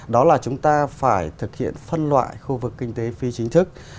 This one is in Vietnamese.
đó là chúng ta phải thực hiện phân loại khu vực kinh tế phi chính thức